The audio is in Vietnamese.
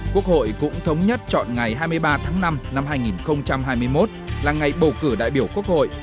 quốc hội cũng thống nhất chọn ngày hai mươi ba tháng năm năm hai nghìn hai mươi một là ngày bầu cử đại biểu quốc hội